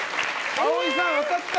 葵さん、当たった！